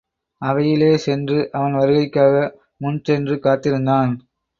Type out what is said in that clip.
அவையிலே சென்று அவன் வருகைக்காக முன் சென்று காத்திருந்தான்.